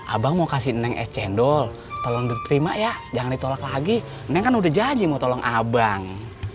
abang mau kasih neneng es cendol tolong diterima ya jangan ditolak lagi neng kan udah janji mau tolong abang